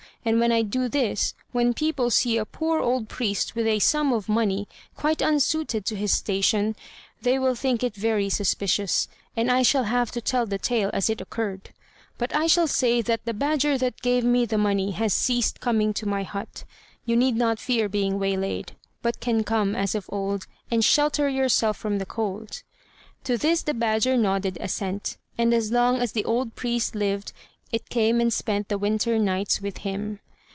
And when I do this, when people see a poor old priest with a sum of money quite unsuited to his station, they will think it very suspicious, and I shall have to tell the tale as it occurred; but I shall say that the badger that gave me the money has ceased coming to my hut, you need not fear being waylaid, but can come, as of old, and shelter yourself from the cold." To this the badger nodded assent; and as long as the old priest lived, it came and spent the winter nights with him.